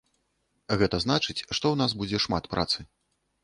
Гэта значыць, што ў нас будзе шмат працы.